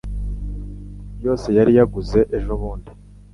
yose yari yaguze ejobundi